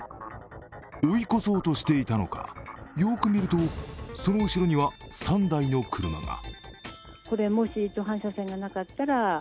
追い越そうとしていたのか、よく見るとその後ろには３台の車が。